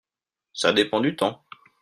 Ça dépend du temps.